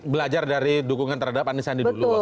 belajar dari dukungan terhadap andi sandi dulu waktu itu